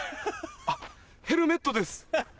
あっヘルメットです。